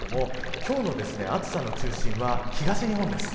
今日の暑さの中心は東日本です。